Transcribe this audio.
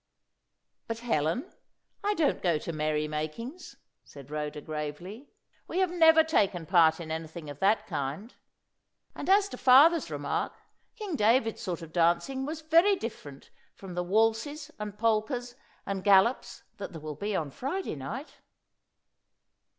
"But, Helen, I don't go to merry makings," said Rhoda, gravely. "We have never taken part in anything of that kind. And as to father's remark, King David's sort of dancing was very different from the waltzes and polkas and galops that there will be on Friday night."